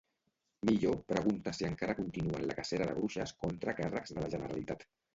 Millo pregunta si encara continuen la cacera de bruixes contra càrrecs de la Generalitat.